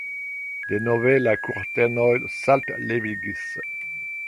Denove la kurtenoj saltlevigis.